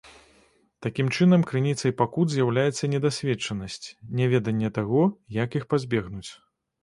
Такім чынам, крыніцай пакут з'яўляецца недасведчанасць, няведанне таго, як іх пазбегнуць.